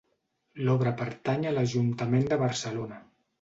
L'obra pertany a l'Ajuntament de Barcelona.